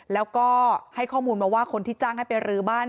แล้วก็ให้ข้อมูลมาว่าคนที่จ้างให้ไปรื้อบ้าน